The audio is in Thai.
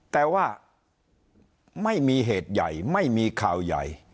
แต่ว่าไม่มีเหตุใหญ่ไม่มีข่าวใหญ่